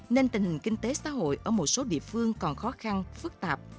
nên tình hình kinh tế xã hội ở một số địa phương còn khó khăn phức tạp